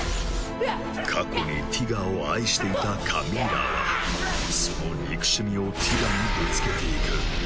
過去にティガを愛していたカミーラはその憎しみをティガにぶつけていく。